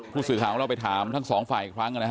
ผู้สื่อของเราไปถามทั้งสองฝ่ายอีกครั้ง